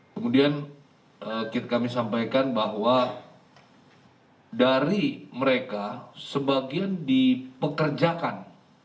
kemudian kami sampaikan bahwa dari mereka sebagian dipekerjakan